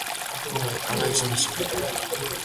Bai, hala izan zen.